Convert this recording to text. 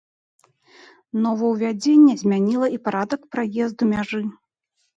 Новаўвядзенне змяніла і парадак праезду мяжы.